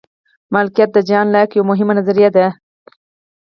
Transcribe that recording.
مالکیت د جان لاک یوه مهمه نظریه ده.